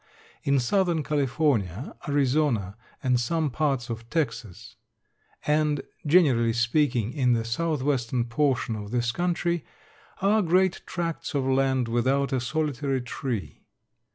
In Southern California, Arizona and some parts of Texas, and, generally speaking, in the southwestern portion of this country, are great tracts of land without a solitary tree.